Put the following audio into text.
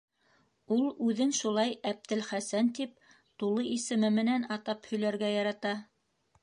Ул үҙен шулай «Әптелхәсән» тип тулы исеме менән атап һөйләргә ярата.